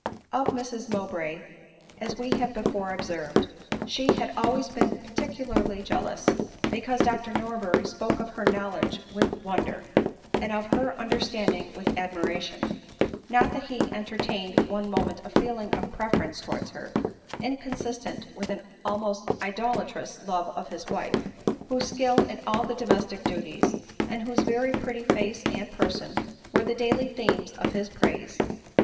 Of Mrs Mowbray, as we have before observed, she had always been peculiarly jealous, because Dr Norbeny spoke of her knowledge with wonder, and of her under standing with admiration j not that he entertained one moment a feeling of preference towards her, inconsistent with an almost idolatrous love of his wife, whose skill in mil the domestic duties, and whose very pretty face and person, were the daily themes of his praise.